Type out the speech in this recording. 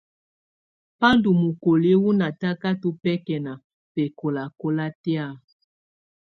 Ba ndù mokoli wù natakatɔ bɛkɛna bɛkɔlakɔla tɛ̀á.